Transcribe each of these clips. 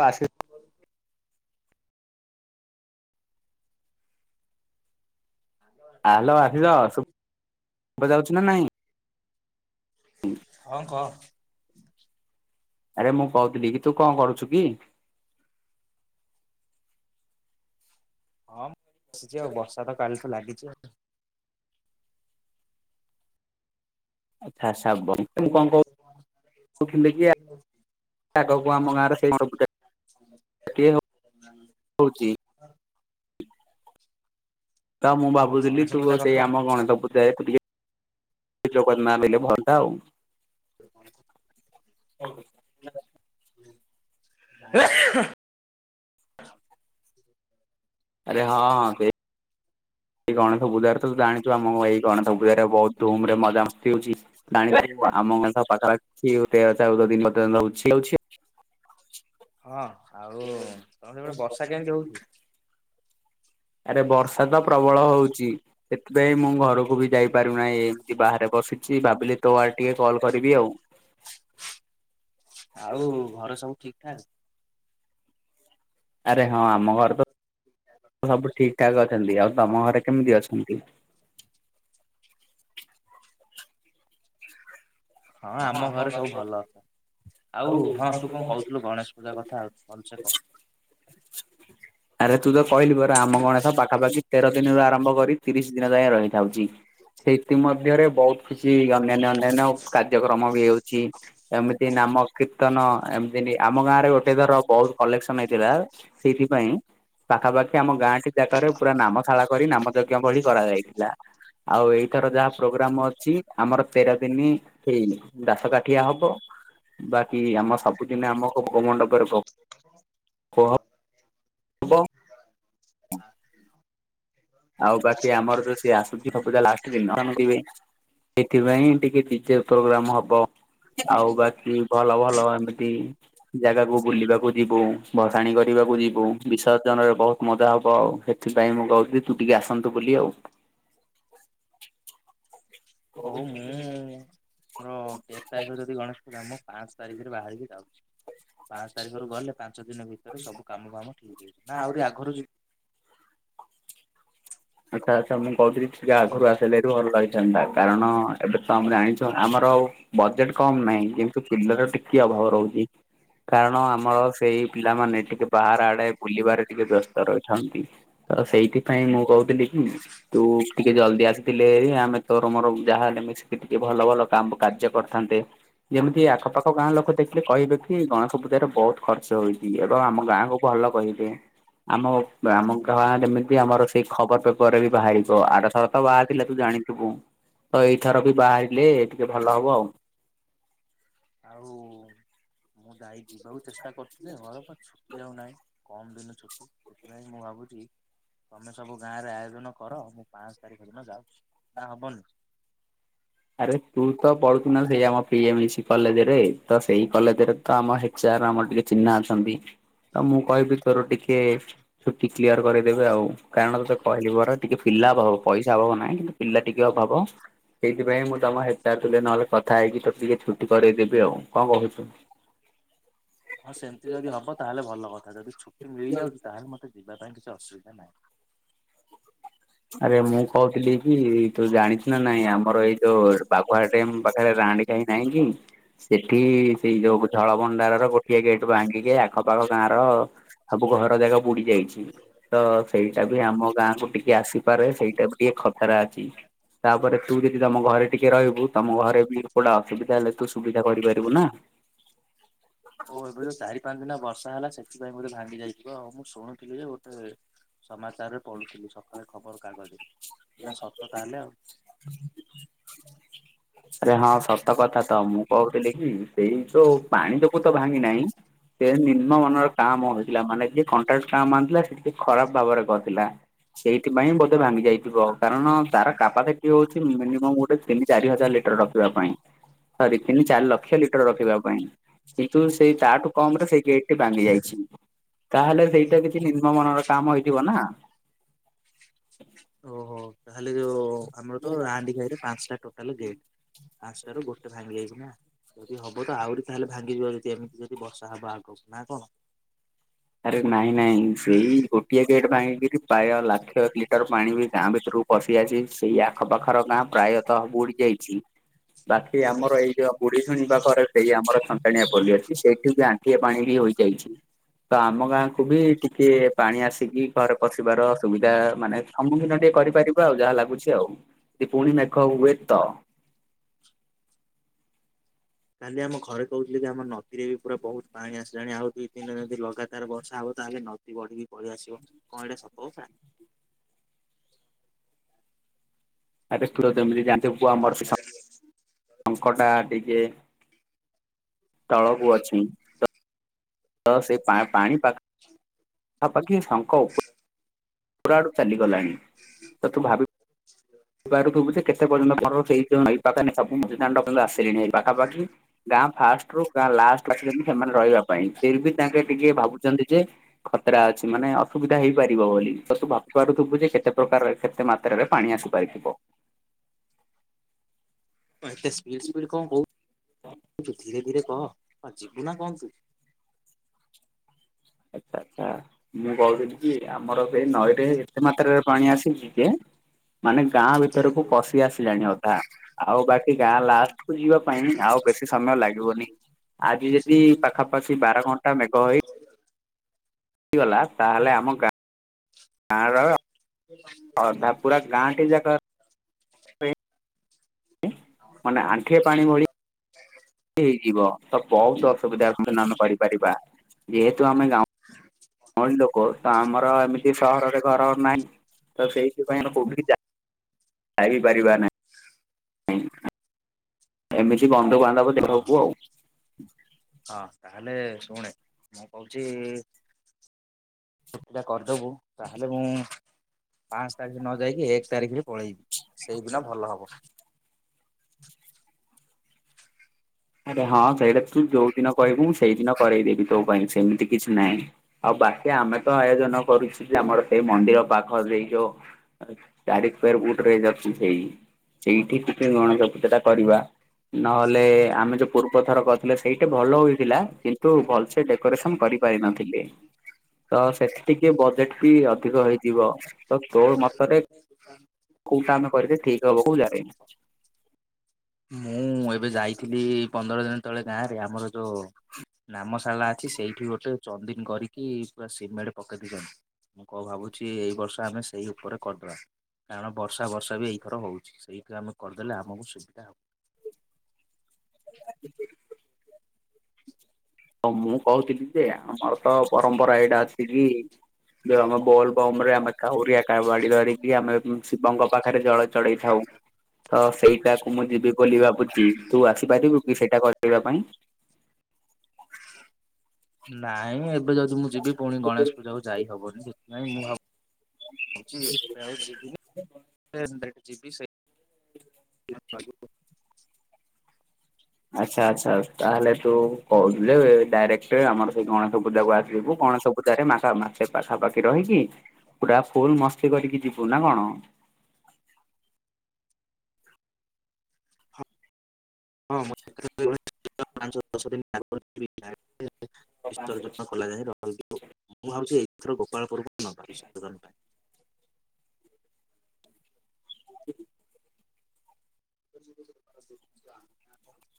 ଆଶି ସାଙ୍ଗମାନେ। ଆହଲୋ ଆସିିଷ ଶୁ ଶୁଭା ଯାଉଛି ନା ନାଇଁ? ହଁ କହ। ଆରେ ମୁଁ କହୁଥିଲି କି ତୁ କଣ କରୁଛୁ କି? ହଁ ମୁଁ ବସିଛି ଆଉ, ବର୍ଷା ତ କାଲି ଠୁ ଲାଗିଛି ଆଉ। ଆ ସା ପା। କି [inaudible] ଆଗକୁ ଆଉ। ଆମ ଗାଁ ରେ ସେଇ ସବୁ [unintelligible] କୋଉଠି। ତ ମୁଁ ଓହୋ ଭାବୁଥିଲି ଗଣେଶ ତୁ ପୂଜା ସେଇ କଥା ଆମ ଗଣିତ [unintelligible] ଟିକେ। ପି ଯୋ କରନା ବେଳେ ଭଲ ଆଉ। [unintelligible] ଆରେ ହଁ ହଁ, ସେଇ ସେଇ ଗଣେଶ ପୂଜାରେ ତ ଜାଣିଛୁ, ଆମକୁ ଏଇ ଗଣେଶ ପୂଜାର ବହୁତ ଧୁମ୍ ରେ ମଜା ମସ୍ତି ହଉଛି। ବାଣି [unintelligible] ହଁ ଆଉ ତମ ସେପଟେ ବର୍ଷା କେମତି ହଉଛି? ଆରେ ବର୍ଷା ତ ପ୍ରବଳ ହଉଛି। ସେଥିପାଇଁ ମୁଁ ଘରକୁ ବି ଯାଇପାରୁନାହିଁ। ଏମିତି ବାହାରେ ବସିଛି। ଭାବିଲି ତୋ ଆଡେ ଟିକେ କଲ କରିବି ଆଉ। [inaudible] ଆଉ ଘରେ ସବୁ ଠିକ୍ ଠାକ୍? ଆରେ ହଁ ଆମ ଘରେ ତ [unintelligible] ସବୁ ଠିକ୍ ଠାକ୍ ଅଛନ୍ତି। ଆଉ ତମ ଘରେ କେମିତି ଅଛନ୍ତି? ହଁ ଆମ ଘରେ ସବୁ ଭଲ ଅଛ, ଆଉ ହଁ ତୁ କଣ କହୁଥିଲୁ ଗଣେଶ ପୂଜା କଥା ଆଉ ଭଲ ସେ କହ। ଆରେ ତୁ ତୋ କହିଲୁ ପରା, ଆମ ଗଣେଶ ପାଖାପାଖି ତେର ଦିନରୁ ଆରମ୍ଭ କରି ତିରିଶ ଦିନ ଯାଏଁ ରହିଥାଉଛି। ସେଇଥି ମଧ୍ୟରେ ବହୁତ କିଛି ଅନ୍ୟାନ୍ୟ ଅନ୍ୟାନ୍ୟ କାର୍ଯ୍ୟକ୍ରମ ବି ହେଉଛି। ଏମିତି ନାମ କୀର୍ତ୍ତନ ଏମିତି ଆମ ଗାଁ ରେ ଗୋଟେ ଥର ବହୁତ କଲେକ୍ସନ ହେଇଥିଲା, ସେଇଥିପାଇଁ ପାଖାପାଖି ଆମ ଗାଁଟି ଯାକରେ ପୁରା ନାମଶାଳା କରି ନାମ ଯଜ୍ଞ ଭଳି କରାଯାଇଥିଲା। ଆଉ ଏଇଥର ଯାହା ପ୍ରୋଗ୍ରାମ ଅଛି। ଆମର ତେର ଦିନ ହେଇନି ଦାସ କାଠିଆ ହବ। ବାକି ଆମ ସବୁଦିନେ ଆମ ଭୋଗ ମଣ୍ଡପରେ ଭୋ କୁହ। [inaudible] ଆଉ ବାକି ଆମର ତ ସିଏ ଆସୁଛି ସବୁଦା ଲାଷ୍ଟ ଦିନ [unintelligible] ସେଥିପାଇଁ ଟିକେ ଷ୍ଟେଜ ପ୍ରୋଗ୍ରାମ ହବ, ଆଉ ବାକି ଭଲ ଭଲ ଏମିତି ଜାଗାକୁ ବୁଲିବାକୁ ଯିବୁ, ଭସାଣି କରିବାକୁ ଯିବୁ, ବିସର୍ଜନରେ ବହୁତ ମଜା ହବ। ସେଥିପାଇଁ ମୁଁ କହୁଥିଲି ତୁ ଟିକେ ଆସନ୍ତୁ ବୋଲି ଆଉ। ହଉ ମୁଁ ରହ ତେର ତାରିଖ ଯଦି ଗଣେଶ ପୂଜା ମୁଁ ପାଞ୍ଚ ତାରିଖରେ ବାହାରିକି ଯାଉଛି। ପାଞ୍ଚ ତାରିଖରୁ ଗଲେ ପାଞ୍ଚ ଦିନ ଭିତରେ ସବୁ କାମ ଫାମ ଠିକ୍ ହେଇଛି ନା ଆଉଟିକେ ଆଗରୁ ଯିବି। ଆଚ୍ଛା ଆଚ୍ଛା ମୁଁ କହୁଥିଲି ଟିକେ ଆଗରୁ ଆସିଲେ ଏଠୁ ଭଲ ଲାଗିଥାନ୍ତା କାରଣ ଏବେ ତ ଆମେ ଜଣିଛ ଆମର ଆଉ ବଜେଟ କମ ନାହିଁ କିନ୍ତୁ ପିଲର ଟିକେ ଅଭାବ ରହୁଛି। କାରଣ ଆମର ସେଇ ପିଲାମାନେ ଟିକେ ବାହାର ଆଡେ ବୁଲିବାରେ ଟିକେ ବ୍ୟସ୍ତ ରହିଥାନ୍ତି। ତ ସେଇଥିପାଇଁ ମୁଁ କହୁଥିଲି ଉ ତୁ ଟିକେ ଜଲଦି ଆସିଥିଲେ ଏହି ଆମେ ତ ତମର ଯାହା ହେଲେ ମିଶି ଟିକେ ଭଲ ଭଲ କାମ କାର୍ଯ୍ୟ କରିଥାନ୍ତେ। ଯେମିତି ଆଖପାଖ ଗାଁ ଲୋକ ଦେଖିଲେ କହିବେ କି ଗଣେଶ ପୂଜାରେ ବହୁତ୍ ଖର୍ଚ୍ଚ ହେଇଛି ଏବଂ ଆମ ଗାଁକୁ ଭଲ କହିବେ ଆମ ଆମ ଗାଁରେ ଯେମିତି ଆମର ସେ ଖବର ପେପର ରେ ବି ବାହାରିବ ଆରଥରକ ତ ବାହାରି ଥିଲା ତୁ ଜାଣିଥିବୁ। ତୋ ଏଇଥର ବି ବାହାରିଲେ ଟିକେ ଭଲ ହବ ଆଉ। ଆଉ ମୁଁ ଯାଇ ଯିବାକୁ ଚେଷ୍ଟା କରୁଛି ଯେ ଘର ପାଖ ଯାଉ ନାହିଁ କମ୍ ଦିନ ଛୁଟି ସେଥିପାଇଁ ମୁଁ ଭାବୁଛି ତମେ ସବୁ ଗାଁ ରେ ଆୟୋଜନ କର ମୁଁ ପାଂସ ତାରିଖ ଦିନ ଯାଉଛି ନା ହବନି। ଆରେ ତୁ ତ ପଢୁଛୁ ନା ସେଇ ଆମ ପି ଏ ମିଳିଛି କଲେଜରେ ତ ସେଇ କଲେଜରେ ତ ଆମ ହେଚାର ଆମର ଟିକେ ଚିହ୍ନା ଅଛନ୍ତି। ତ ମୁଁ କହିବି ତୋର ଟିକେ ଛୁଟି କ୍ଲିୟର କରାଇଦେବେ ଆଉ। କାରଣ ତତେ କହିଲିପରା ଟିକେ ପିଲା ଅଭାବ ପଇସା ଅଭାବ ନାହିଁ କିନ୍ତୁ ପିଲା ଟିକେ ଅଭାବ। ସେଥିପାଇଁ ମୁଁ ତମ ହେଚାର ଥିଲେ ନହେଲେ କଥା ହେଇକି ତତେ ଛୁଟି କରାଇଦେବି ଆଉ କଣ କହୁଛୁ। ହଁ ସେମିତି ଯଦି ହବ ତାହେଲେ ଭଲ କଥା ଯଦି ଛୁଟି ମିଳିଯାଉଛି ତାହେଲେ ମତେ ଯିବା ପାଇଁ କିଛି ଅସୁବିଧା ନାହିଁ। ଆରେ ମୁଁ କହୁଥିଲି କି ତୁ ଜାଣିଛୁ ନା ନାଇଁ ଆମର ଏଇ ଯୋଉ ବାଘୁହା ନାହିଁ। ଡ୍ୟାମ ପାଖରେ ରାଣୀ କାଇଁ ନାହିଁ କି? ସେଠି ସେଇ ଯୋଉ ଜଳ ଭଣ୍ଡାର ର ଗୋଟିଏ ଗେଟ ଭାଙ୍ଗିକି ଆଖପାଖ ଗାଁର ସବୁ ଘର ର ଜାଗା ବୁଡି ଯାଇଛି ତ ସେଇଟା ବି ଆମ ଗାଁ କୁ ଟିକେ ଆସି ପାରେ ସେଇଟା ଗୋଟିଏ ଖତରା ଅଛି। ତାପରେ ତୁ ଯଦି ତମ ଘରେ ଟିକେ ରହିବୁ ତମ ଘରେ ବି କୋଉଟା ଅସୁବିଧା ହେଲେ ତୁ ସୁବିଧା କରିପାରିବୁ ନା। ଓଃ ଏବେ ଯୋଉ ଚାରି ପାଞ୍ଚ ଦିନ ବର୍ଷା ହେଲା ସେଥିପାଇଁ ବୋଧେ ଭାଙ୍ଗି ଯାଇଥିବ ଆଉ ମୁଁ ଶୁଣୁଥିଲି ଯେ ଗୋଟେ ସମାଚାର ରେ ପଡୁଥିଲି ସକାଳେ ଖବର କାଗଜରେ ହେଲା ସତ ତାହେଲେ ଆଉ। ଆରେ ହଁ ସତ କଥା ତ ମୁଁ କହୁଥିଲି କି ସେଇ ଯୋଉ ପାଣି ଯୋଗୁ ତୋ ଭାଙ୍ଗି ନାହିଁ। ସେ ନିମ୍ନ ମାନର କାମ ହୋଇଥିଲା ମାନେ ଯିଏ କଣ୍ଟ୍ରାକ୍ଟ କାମ ଆଣିଥିଲା ସିଏ ଟିକେ ଖରାପ ଭାବରେ କରିଥିଲା। ସେଇଥିପାଇଁ ବୋଧେ ଭାଙ୍ଗି ଯାଇଥିବ କାରଣ ତାର କପାସାଟି ହଉଛି ମିନିମମ୍ ଗୋଟେ ତିନି ଚାରି ହଜାର ଲି ରଖିବା ପାଇଁ ସରି ତିନି ଚାରି ଲକ୍ଷ ଲିଟର ରଖିବା ପାଇଁ କିନ୍ତୁ ସେ ତା ଠୁ କମ୍ ରେ ସେଇ ଗେଟ ଟି ଭାଙ୍ଗି ଯାଇଛି ତାହେଲେ ସେଇଟା କିଛି ନିମ୍ନ ମାନର କାମ ହେଇଥିବ ନା। ଓହୋ ତାହେଲେ ଯୋଉ ଆମର ତ ରାହାଣ୍ଡି ଘାଇରେ ପାଁସ୍‌ ଟା ଟୋଟାଲ ଗେଟ୍। ପାଁସ୍ ଟାରୁ ଗୋଟେ ଭାଙ୍ଗି ଯାଇଚି ନା। ଯଦି ହବ ତ ଆହୁରି ତାହେଲେ ଭାଙ୍ଗିଯିବ ଯତି ଏମିତି ଯଦି ବର୍ଷା ହବ ଆଗକୁ ନା କଣ? ଆରେ ନାଇଁ ନାଇଁ ସେଇ ଗୋଟିଏ ଗେଟ୍ ଭାଙ୍ଗିକିରି ପାୟ ଲାକ୍ଷ ଲି ଟର ପାଣି ବି ଗାଁ ଭିତୁରୁକୁ ପଶି ଆସି ସେଇ ଆଖପାଖର ଗାଁ ପ୍ରାୟତଃ ବୁଡି ଯାଇଛି। ବାକି ଆମର ଏଇ ଯଅ ବୁଢୀ ଶୁଣି ପାଖରେ ସେଇ ଆମର ସନ୍ତାଣିଆ ପଲି ଅଛି ସେଇଠି ବି ଆଣ୍ଠିଏ ପାଣି ହି ହୋଇଯାଇଛି। ତ ଆମ ଗାଁକୁୁ ବି ଟିକେ ପାଣି ଆସିକି ଘରେ ପଶିବାର କାଲି ସୁବିଧା ମାନେ ସମ୍ମୁଖୀନ ଟିକେ କରିପାରିବା ଆଉ ଯାହା ଲାଗୁଛି ଆଉ ଯଦି ପୁଣି ମେଘ ହୁଏ ତ। କାଲି ଆମ ଘରେ କହୁଥିଲେ କି ଆମ ନଦୀରେ ବି ପୁରା ବହୁତ୍ ପାଣି ଆସିଲାଣି ଆଉ ଦୁଇ ତିନ ଯଦି ଲଗାତାର ବର୍ଷା ହବ ତାହେଲେ ନ ଦୀ ବଢିକି ପଳି ଆସିବ ଙ୍କ ଏଟା ସତ କଥା। ଆବେ ଥୁ ତ ଏମିତି ଜାନଥିବୁ ପୁଅ ଆମର ସେ ସ [inaudible] ଅଙ୍କଟା ଟିକେ ତଳକୁ ଅଛି। ତ ସେ ପା ପାଣି ପାଖାପାଖି ଶଙ୍ଖ ଉପ ପୁରା ଆଡ଼ୁ ଚାଲିଗଲାଣି ସେଥୁ ଭାବି ଝିଅ ପାରୁଥୁବୁ ଯେ କେତେ ପର୍ଯ୍ୟନ୍ତ ଘରର [unintelligible] ଦାଣ୍ଡ ଆସିଲିଣି ପାଖାପାଖି ଗାଁ ଫାଷ୍ଟରୁ ଗାଁ ଲାଷ୍ଟ ରଖିଚନ୍ତି ସେମାନେ ରହିବା ପାଇଁ ସେବି ତାଙ୍କେ ଟିକେ ଭାବୁଚନ୍ତିଯେ ଖତରା ଅଛି ମାନେ ଅସୁବିଧା ହେଇପାରିବ ବୋଲି ତ ତୁ ଭାବି ପାରୁଥୁବୁଯେ କେତେ ପ୍ରକାରେ କେତେ ମାତ୍ରାରେ ପାଣି ଆସି ପାଇବ ହଁ ଏତେ ସ୍ପିଡ ସ୍ପିଡ କଁ କହୁଚୁ ଧୀରେ ଧୀରେ କହ କୁଆଡ଼େ ଯିବୁନା କଁ ତୁ? ଆଚ୍ଛା ଆଚ୍ଛା ମୁଁ କହୁଥିଲିକି ଆମର ଏବେ ନଈରେ ଏତେ ମାତ୍ରାରେ ପାଣି ଆସିଚି ଯେ ମାନେ ଗାଁ ଭିତରକୁ ପଶି ଆସିଲାଣି ଅଧା। ଆଉ ବାକି ଗାଁ ଲାଷ୍ଟ କୁ ଯିବା ପାଇଁ ଆଉ ବେଶୀ ସମୟ ଲାଗିବନି ଆଜି ଯଦି ପାଖାପାଖି ବାର ଘଣ୍ଟା ମେଘ ହୋଇ ହେଇଗଲା ତାହେଲେ ଆମ ଗାଁର ଅଧା ପୁରା ଗାଁଟି ଜାକ ମନେ ଆଣ୍ଠିଏ ପାଣି ଭଳି ହେଇଯିବ ତବହୁତ୍ ଅସୁବିଧା ମାନେ ଆମେ କରିପାରିବା। ଯେହେତୁ ଆମେ ଗାଉଁଲି ଗାଁଉଁଲି ଲୋକ ତଆମର ଏମି କି ସହରରେ ଘର ନାହିଁ ତସେଇଥିପାଇଁ ଆଉ କୋଉଠିକି ଯା ଯାଇପାରିବା ନାହିଁ। ଏମିତି ବନ୍ଧୁ ବାନ୍ଧବ ହଁ ହଁ ଦେହକୁ ଆଉ। ହଁ ତାହେଲେ ଶୁଣେ ମୁଁ କହୁଚି ସେଟା କରିଦବୁ ତାହେଲେ ମୁଁ ପାଁସ୍ ତାରିଖିନ ଯାଇକି ଏକ୍ ତାରିଖରେ ପଳେଇବି ସେଇଦିନ ଭଲ ହବ। ଆରେ ହଁ ସେଇଟା ତୁ ଯୋଉ ଦିନ କହିବୁ ମୁଁ ସେଇଦିନ କରେଇଦେବି ତୋ ପାଇଁ ସେମିତି କିଛି ନାହିଁ। ଆଉ ବାକି ଆମେତ ଆୟୋଜନ କରୁଛୁଯେ ଆମର ସେଇ ମନ୍ଦିର ପାଖ ଦେଇ ଯୋଉ ଚାରି ସ୍କୋୟାର ଫୁଟରେ ହେଇଯାଉଛି ସେଇ ସେଇଠି ଟିକେ ଗଣେଶ ପୂଜାଟା କରିବା ନହେଲେ ଆମେ ଯୋଉ ପୂର୍ବ ଥର କରିଥିଲେ ସେଇଟି ଭଲ ହେଇଥିଲା କିନ୍ତୁ ଭଲସେ ଡେକୋରେସନ କରିପାରିନଥିଲେ। ତ ସେଠି ଟିକେ ବଜେଟବି ଅଧିକ ହେଇଯିବ ତୋମତରେ [unintelligible] କୋଉଟା ଆମେ କରିଲେ ଠିକ୍ ହବ କୋଉ ଜାଗାରେ କୋଉ ମୁଁ ଏବେ ଯାଇଥିଲି ପନ୍ଦର ଦିନ ତଳେ ଗାଁରେ ଆମର ଯୋଉ ନାମଶାଳା ଅଛି ସେଇଠି ଗୋଟେ ଚନ୍ଦିନ୍ କରିକି ପୁରା ସିମେଣ୍ଟ ପକେଇ ଦେଇକି ଆସି ମୁଁ କଁ ଭାବୁଚି ଏଇ ବର୍ଷ ଆମେ ସେଇ ଉପରେ କରିଦବା। କାରଣ ବର୍ଷା ବର୍ଷାବି ଏଇଥର ହଉଚି ସେଇଠି ଆମେ କରିଦେଲେ ଆମକୁ ସୁବିଧା ହବ। [unintelligible] ତ ମୁଁ କହୁଥିଲିଯେ ଆମରତ ପରମ୍ପରା ଏଇଟା ଅଛିକି ଯେଆମ ବୋଲ୍ ବମରେ ଆମେ କାଉରିଆ ବାଡ଼ି ଧରିକି ଆମେ ଶିବଙ୍କ ପାଖରେ ଜଳ ଚଢେଇ ଥାଉ ତ ସେଇଟାକୁ ମୁଁ ଯିବି ବୋଲି ଭାବୁଚି ତୁ ଆସିପାରିବୁକି ସେଇଟା କରିବା ପାଇଁ? ନାଇଁ ମୁଏବେ ଯଦି ମୁଁ ଯିବି ପୁଣି ଗଣେଶ ପୂଜାକୁ ଯାଇ ହବନି ସେଥିପାଇଁ ମୁଁ ଆଉ ଭାବିଚି ଏବେ ଆଉ ଯିବିନି ଯିବି ସେ [unintelligible] [unintelligible] ଆଚ୍ଛା ଆଚ୍ଛା ତାହେଲେ ତୁ କୋହୁଚୁଯେଵେ ଡାଇରେକ୍ଟ ଆମର ସେ ଗଣେଶ ପୂଜା କୁ ଆସିବୁ ଗଣେଶ ପୂଜାରେ ମା ମାସେ ପାଖାପାଖି ରହିକି ପୁରା ଫୁଲୁ ମସ୍ତି କରିକି ଯିବୁ ନା କଣ। ହଁ ପାଞ୍ଚ ଦଶ [unintelligible] ଖେଲା ଯାଇ [inaudible] ମୁଁ ଭାବଛି ଏଇଥର ଗୋପାଳ ପୁରୁକୁ ନବା କିସୁ ଦୋକାନ ଟା। [unintelligible]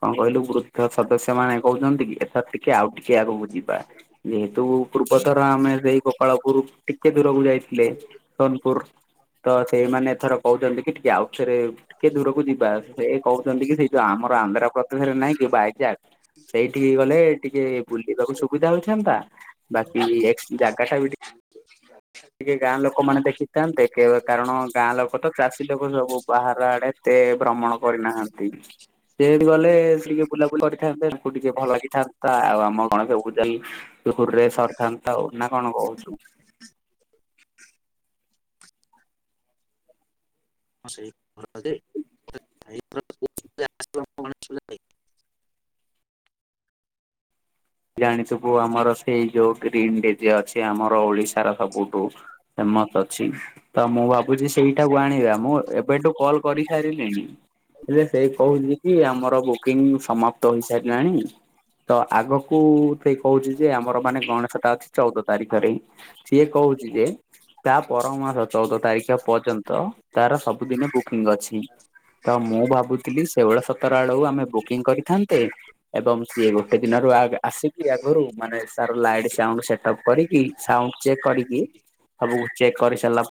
କଣ କହିଲୁ ବୃଦ୍ଧ ସଦସ୍ୟ ମାନେ କହୁଚନ୍ତି କି ଏଥ ଟିକେ ଆଉ ଟି ଟିକିଏ ଆଗକୁ ଯିବା ଯେହେତୁ ପୂର୍ବଥର ଆମେ ସେଇ ଗୋପାଳପୁରୁ ଟି ଟିକେ ଦୂରକୁ ଯାଇଥିଲେ ସେଇ ସୋନପୁରୁ ତ ସେଇମାନେ ଏଥର କହୁଚନ୍ତି କି ଟିକେ ଆଉ ଥରେ ଟିକେ ଦୂରକୁ ଯିବା ସେ କହୁଚନ୍ତି କି ସେଇ ଆମର ଆନ୍ଧ୍ରାପ୍ରଦେଶରେ ନାହଁ କି ବାଇଯାକ୍। ସେଇଠିକି ଗଲେ ଟିକେ ବୁଲିବାକୁ ସୁବିଧା ହୋଇଥାନ୍ତା ବାକି ଏକ୍ସେ ଜାଗା ଟା ବି ଟିକେ ଟିକେ ଗାଁ ଲୋକମାନେ ଦେଖିଥାନ୍ତେ। କାରଣ ଗାଁ ଲୋକ ତ ଚାଷୀ ଲୋକ ସବୁ ବାହାର ଆଡେ ତେ ଭ୍ରମଣ କରିନାହାଁନ୍ତି। ଡେଟ୍ ଗଲେ ଟିକେ ବୁଲାବୁଲି କରିଥାନ୍ତେ ତାକୁ ଟିକେ ଭଲ ଲାଗିଥାନ୍ତା ଆଉ ଆମ ଗଣେଶ ପୂଜାରେ। ତୁହୁରେ ସରଥାନ୍ତା ଆଉ ନାଁ କଣ କହୁଚୁ? ହଁ ସେଇ [unintelligible] ଦେ [unintelligible] ଜାଣିଥିବୁ ଆମର ସେଇ ଯୋଉ ଗ୍ରୀନି ଡିଜେ ଅଛି ଆମର ଓଡିଶାର ସବୁଠୁ ତମରତ ଅଛି ତ ମୁଁ ଭାବ୍ ବୁଛି ସେଇଟାକୁ ଆଣିବା ମୁଁ ଏବେଠୁ କଲ୍ କରିସାରିଲିଣି ହେଲେ ସେ କହୁଚି। କି ଆମର ବୁକିଙ୍ଗି ସମାପ୍ତ ହେଇସାରିଲାଣି ତ ଆଗକୁ ସେ କହୁଚ ଯେ ଆମର ମାନେ ଗଣେଶ ଟା ଅଛି ଚଉଦ ତାରିଖରେ। ସିଏ କହୁଚି ଯେ ତା ପର ମାସ ଚଉଦ ତାରିଖ ପର୍ଯ୍ୟନ୍ତ ତାର ସବୁଦିନେ ବୁକିଙ୍ଗି ଅଛି। ତ ମୁଁ ଭାବୁଥିଲି ସେଉଳ ସତର ଆଡକୁ ଆମେ ବୁକିଙ୍ଗି କରିଥାନ୍ତେ ଏବଂ ସିଏ ଗୋଟେ ଦିନରୁ ଆଗା ଆସିକି ଆଗରୁ ମାନେ ସାର ଲାଇଟିସାଉଣ୍ଡୁ ସେଟପ କରିକି ସାଉଣ୍ଡୁ ଚେକ୍ କରିକି ସବୁକୁ ଚେକେ କରି ସାରିଲା